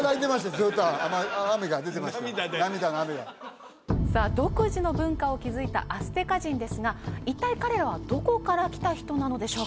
ずっと雨が出てました涙で涙の雨がさあ独自の文化を築いたアステカ人ですが一体彼らはどこから来た人なのでしょうか？